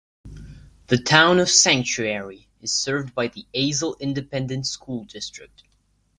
The Town of Sanctuary is served by the Azle Independent School District.